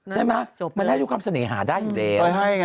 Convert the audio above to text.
ใช่ไหมมันให้ด้วยความเสน่หาได้อยู่แล้ว